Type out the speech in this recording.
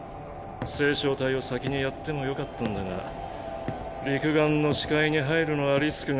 星漿体を先に殺ってもよかったんだが六眼の視界に入るのはリスクが。